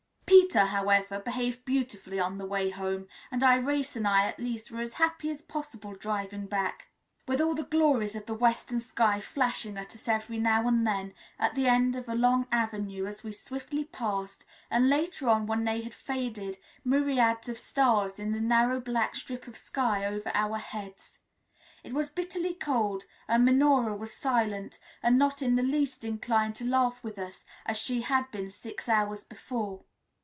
Peter, however, behaved beautifully on the way home, and Irais and I at least were as happy as possible driving back, with all the glories of the western sky flashing at us every now and then at the end of a long avenue as we swiftly passed, and later on, when they had faded, myriads of stars in the narrow black strip of sky over our heads. It was bitterly cold, and Minora was silent, and not in the least inclined to laugh with us as she had been six hours before.